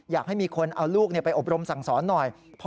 อยากให้มีคนเอาลูกไปอบรมสั่งสอนหน่อย